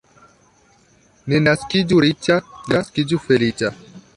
Ne naskiĝu riĉa, naskiĝu feliĉa.